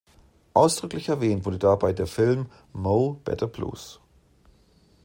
Ausdrücklich erwähnt wurde dabei der Film "Mo’ Better Blues".